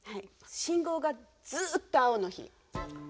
信号がずっと青の日。